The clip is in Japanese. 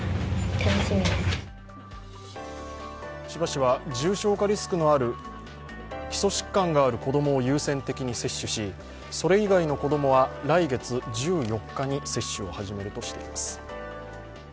千葉市は、重症化リスクのある起訴疾患がある子供を優先的に接種し、それ以外の子供は来月１４日に接種を始めるとしています。